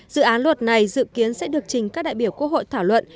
dự án luật này dự kiến sẽ được trình các đại biểu quốc hội thảo luận